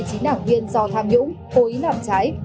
chính đảng viên do tham nhũng cố ý làm trái